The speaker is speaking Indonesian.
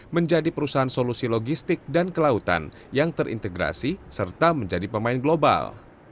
menjadi perusahaan solusi logistik dan kelautan yang terintegrasi serta menjadi pemain global